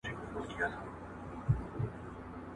تعليم د دندي لپاره نه، بلکي د پوهې لپاره دی.